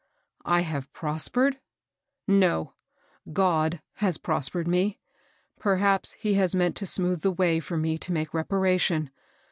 I have prospered f No I God has pros pered me. Perhaps he has meant to smooth the way for me to make rep«:ation.